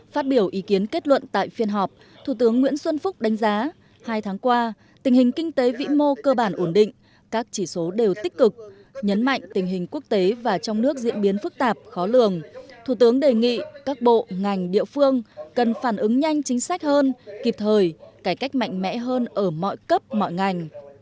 phát biểu ý kiến kết luận tại phiên họp thủ tướng nguyễn xuân phúc đánh giá hai tháng qua tình hình kinh tế vĩ mô cơ bản ổn định các chỉ số đều tích cực nhấn mạnh tình hình quốc tế và trong nước diễn biến phức tạp khó lường thủ tướng đề nghị các bộ ngành địa phương cần phản ứng nhanh chính sách hơn kịp thời cải cách mạnh mẽ hơn ở mọi cấp mọi ngành